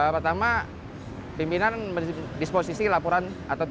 pertama pimpinan mendisposisi laporan